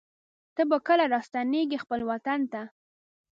ته به کله راستنېږې خپل وطن ته